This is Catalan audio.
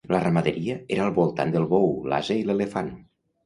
La ramaderia era al voltant del bou, l'ase i l'elefant.